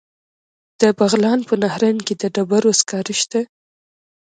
د بغلان په نهرین کې د ډبرو سکاره شته.